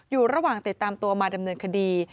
อยู่ระหว่างติดตามตัวมาดำเนินคดี